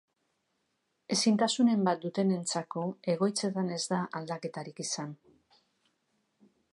Ezintasunen bat dutenentzako egoitzetan ez da aldaketarik izan.